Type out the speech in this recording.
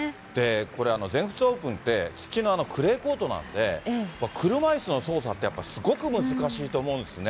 これ、全仏オープンって、土のクレーコートなので、車いすの操作ってやっぱりすごく難しいと思うんですね。